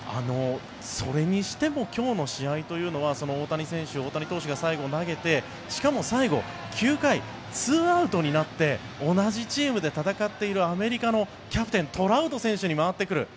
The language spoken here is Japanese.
それにしても今日の試合というのは大谷選手、大谷投手が最後に投げてしかも、最後９回２アウトになって同じチームで戦っているアメリカのキャプテントラウト選手に回ってくる。